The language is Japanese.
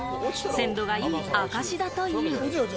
鮮度がいい証しだという。